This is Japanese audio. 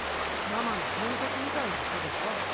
ママの天敵みたいな人でしょ？